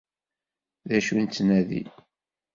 D acu nettnadi?